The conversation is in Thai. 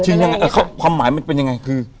ยังไงความหมายมันเป็นยังไงคือ